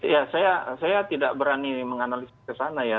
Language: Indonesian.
ya saya tidak berani menganalisis ke sana ya